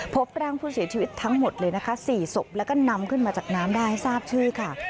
พบร่างผู้เสียชีวิตทั้งหมดเลยนะคะ๔ศพแล้วก็นำขึ้นมาจากน้ำได้ทราบชื่อค่ะ